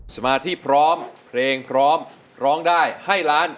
สมาธิพร้อมเพลงพร้อมร้องได้ให้ล้าน